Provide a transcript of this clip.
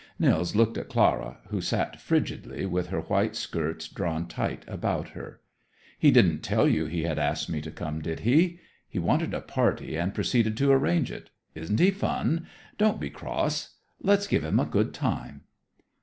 Nils looked at Clara, who sat frigidly with her white skirts drawn tight about her. "He didn't tell you he had asked me to come, did he? He wanted a party and proceeded to arrange it. Isn't he fun? Don't be cross; let's give him a good time."